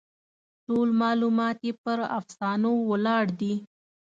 ټول معلومات یې پر افسانو ولاړ دي.